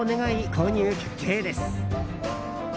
購入決定です。